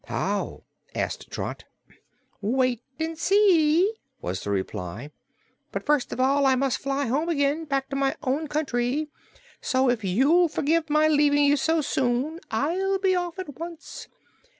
"How?" asked Trot. "Wait and see," was the reply. "But, first of all, I must fly home again back to my own country so if you'll forgive my leaving you so soon, I'll be off at once.